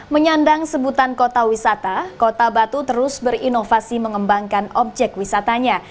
menyandang sebutan kota wisata kota batu terus berinovasi mengembangkan objek wisatanya